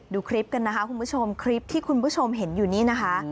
ดูคลิปกันนะคะคุณผู้ชมคลิปที่คุณผู้ชมเห็นอยู่นี่นะคะ